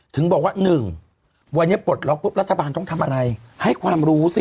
ถึงบอกว่า๑วันนี้ปลดล็อกปุ๊บรัฐบาลต้องทำอะไรให้ความรู้สิ